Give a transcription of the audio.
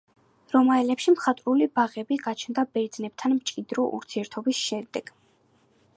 რომაელებში მხატვრული ბაღები გაჩნდა ბერძნებთან მჭიდრო ურთიერთობის შემდეგ.